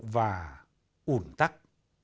và ủn tắc